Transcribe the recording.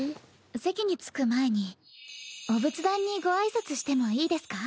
席に着く前にお仏壇にご挨拶してもいいですか？